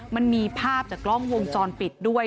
มันมีภาพจากกล้องวงจรปิดด้วย